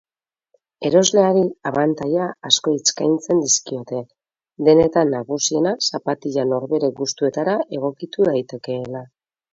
Erosleari abantaila asko eskaintzen dizkiote, denetan nagusiena zapatila norbere gustuetara egokitu daitekeela.